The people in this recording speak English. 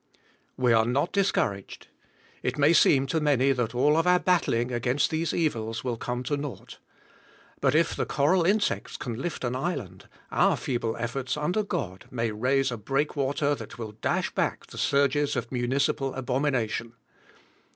We are not discouraged. It may seem to many that all of our battling against these evils will come to naught. But if the coral insects can lift an island, our feeble efforts, under God, may raise a break water that will dash back the surges of municipal abomination.